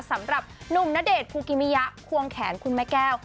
สำหรับหนุ่มณเดชน์ภูกิมิยะควงแขนคุณแม่แก้ว